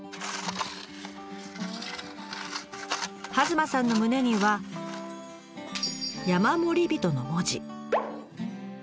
弭間さんの胸には「山守人」の文字。